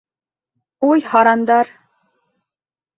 Уй, һарандар!